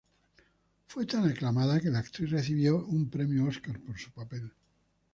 Fue tan aclamada que la actriz recibió un Premio Óscar por su papel.